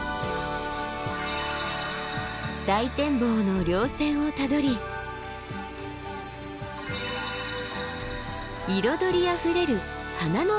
大展望の稜線をたどり彩りあふれる花の山へ。